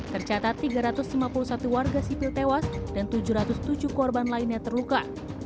tercatat tiga ratus lima puluh satu warga sipil tewas dan tujuh ratus tujuh korban lainnya terluka